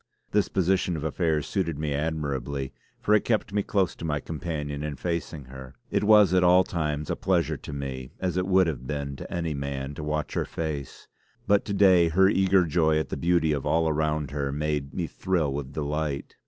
This position of affairs suited me admirably, for it kept me close to my companion and facing her. It was at all times a pleasure to me as it would have been to any man, to watch her face; but to day her eager joy at the beauty of all around her made me thrill with delight.